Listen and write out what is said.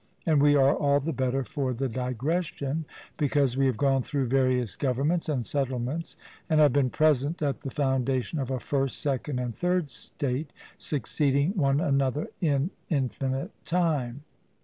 And we are all the better for the digression, because we have gone through various governments and settlements, and have been present at the foundation of a first, second, and third state, succeeding one another in infinite time.